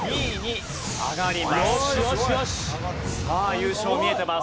さあ優勝見えてます。